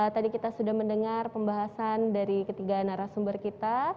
tadi kita sudah mendengar pembahasan dari ketiga narasumber kita